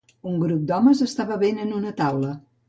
Un grup d'homes està bevent en una taula.